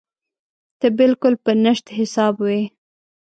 ته بالکل په نشت حساب وې.